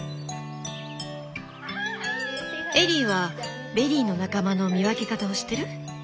エリーはベリーの仲間の見分け方を知ってる？